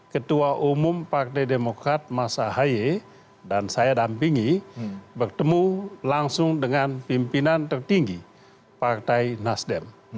ketua umum partai demokrat mas ahaye dan saya dampingi bertemu langsung dengan pimpinan tertinggi partai nasdem